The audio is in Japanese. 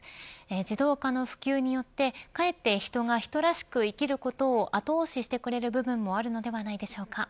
自動化の普及によってかえって人が人らしく生きることを後押ししてくれる部分もあるのではないでしょうか。